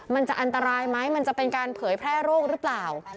มันจะอันตรายไหมมันจะเป็นการเผยแพร่โรคหรือเปล่า